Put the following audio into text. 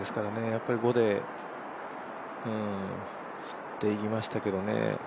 やっぱり５で振っていきましたけどね。